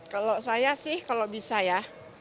kalau saya sih kalau bisa ya